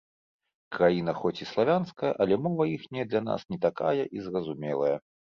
Краіна хоць і славянская, але мова іхняя для нас не такая і зразумелая.